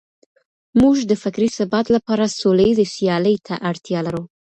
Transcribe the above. موږ د فکري ثبات لپاره سوليزې سيالۍ ته اړتيا لرو.